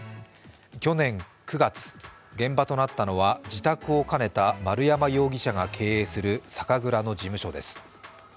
去年９月、現場となったのは自宅を兼ねた丸山容疑者が経営する酒蔵の事務所です。